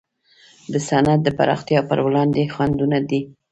د صنعت د پراختیا پر وړاندې خنډونه دي.